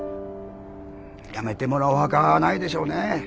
辞めてもらうほかないでしょうね。